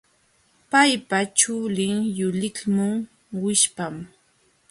Paypa chulin yuliqmun wishpam.